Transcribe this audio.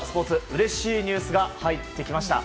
うれしいニュースが入ってきました。